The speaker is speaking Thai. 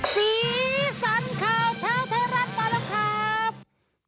สีสันข่าวเช้าไทยรัฐมาแล้วครับ